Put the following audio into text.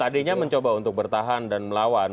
tadinya mencoba untuk bertahan dan melawan